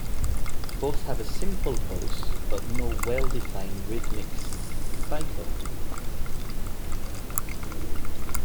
Both have a simple pulse but no well-defined rhythmic cycle.